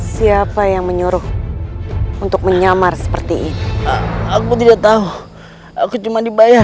siapa yang menyuruh untuk menyamar seperti aku tidak tahu aku cuma dibayar